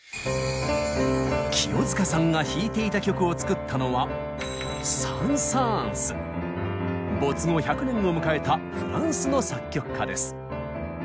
清塚さんが弾いていた曲を作ったのは没後１００年を迎えたフランスの作曲家です。